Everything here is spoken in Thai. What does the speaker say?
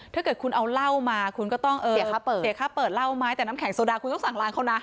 ถ้าเกิดคุณเอาเหล้ามาคุณก็ต้องเสียค่าเปิดเหล้าไหมแต่น้ำแข็งโซดาคุณต้องสั่งร้านเขานะ